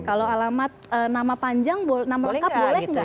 kalau alamat nama panjang nama lengkap boleh nggak